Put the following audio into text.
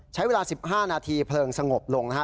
ใช้เวลา๑๕นาทีเพลิงสงบลงนะฮะ